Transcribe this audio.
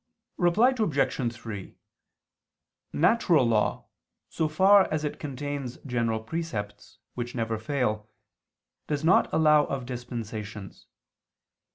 Reply Obj. 3: Natural law, so far as it contains general precepts, which never fail, does not allow of dispensations.